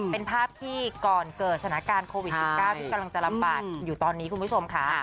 เป็นภาพที่ก่อนเกิดสถานการณ์โควิด๑๙ที่กำลังจะลำบากอยู่ตอนนี้คุณผู้ชมค่ะ